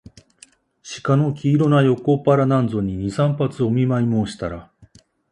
鹿の黄色な横っ腹なんぞに、二三発お見舞もうしたら、